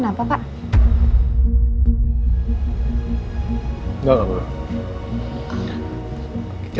nanti pak al akan menjelaskan lebih detail